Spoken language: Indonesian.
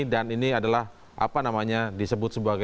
dan ini adalah apa namanya disebut sebagainya